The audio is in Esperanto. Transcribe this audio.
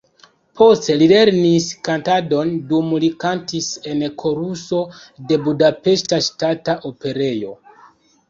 Poste li lernis kantadon, dume li kantis en koruso de Budapeŝta Ŝtata Operejo.